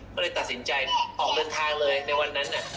ก็เลยตัดสินใจออกเดินทางเลยในวันนั้น